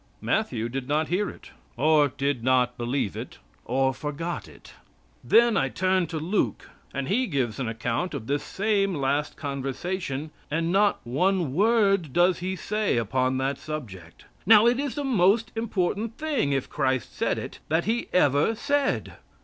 Matthew did not hear it, or did not believe it, or forgot it. Then I turn to Luke, and he gives an account of this same last conversation, and not one word does he say upon that subject. Now it is the most important thing, if Christ said it, that He ever said.